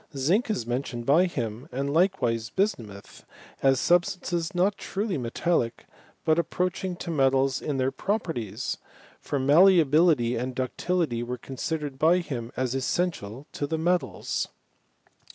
Zinc is mentioned by him, and likewise bismuth, as substances not truly metallic, but approaching to metals in their properties : for mallea bility and ductility were considered by him as essential to the metals.